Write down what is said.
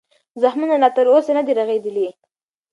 زخمونه لا تر اوسه نه دي رغېدلي.